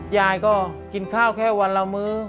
ยายก็กินข้าวแค่วันละมื้อ